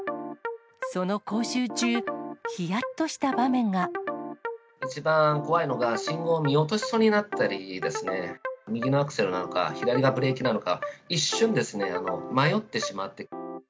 その講習中、一番怖いのが、信号を見落としそうになったりですね、右がアクセルなのか、左がブレーキなのか、一瞬、迷ってしまって。